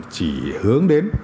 chỉ hướng đến